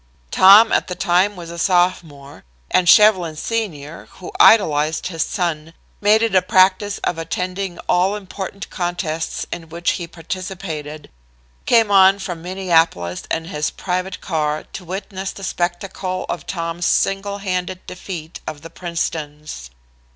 Tom at the time was a sophomore, and Shevlin, senior, who idolized his son, made it a practice of attending all important contests in which he participated, came on from Minneapolis in his private car to witness the spectacle of Tom's single handed defeat of "The Princetons."